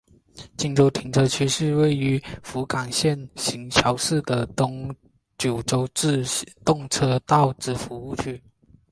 今川停车区是位于福冈县行桥市的东九州自动车道之服务区。